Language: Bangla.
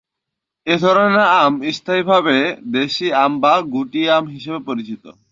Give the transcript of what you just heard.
এ ধরনের আম স্থানীয়ভাবে দেশি আম বা গুটি আম হিসেবে পরিচিত।